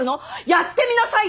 やってみなさいよ！